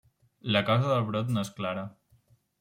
La causa del brot no és clara.